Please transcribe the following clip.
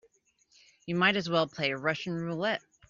You might as well play Russian roulette.